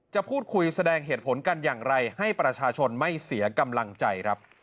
จะพูดคุยแสดงเหตุผลกันอย่างไรให้ประชาชนไม่เสียกำลังใจครับ